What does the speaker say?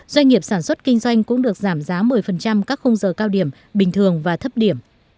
doanh nghiệp sản xuất kinh doanh cũng được giảm giá một mươi các khung giờ cao điểm bình thường và thấp điểm